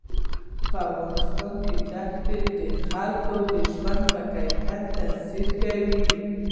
په افغانستان کې دښتې د خلکو د ژوند په کیفیت تاثیر کوي.